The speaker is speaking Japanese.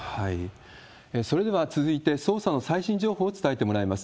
それでは続いて捜査の最新情報を伝えてもらいます。